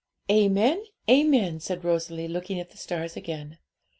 'Amen, amen,' said Rosalie, looking at the stars again.